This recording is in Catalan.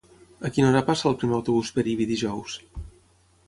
A quina hora passa el primer autobús per Ibi dijous?